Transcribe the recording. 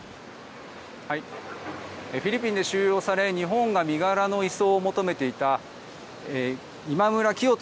フィリピンで収容され日本が身柄の移送を求めていた今村磨人